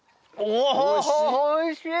おいしい？